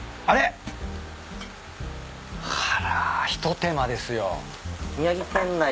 あら一手間ですよ。